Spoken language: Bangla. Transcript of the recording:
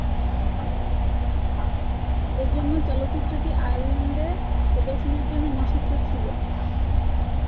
এজন্যে চলচ্চিত্রটি আয়ারল্যান্ডে প্রদর্শনের জন্য নিষিদ্ধ ছিল।